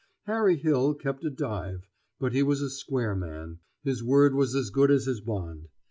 Harry Hill kept a dive, but he was a square man; his word was as good as his bond.